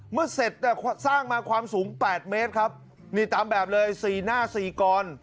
เมื่อเสร็จสร้างมาความสูง๘เมตรครับนี่ตามแบบเลยสี่หน้าสี่กร